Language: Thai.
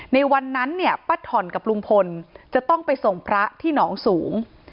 ในวันนั้นเนี่ยป้าถ่อนกับลุงพลจะต้องไปส่งพระที่หนองสูง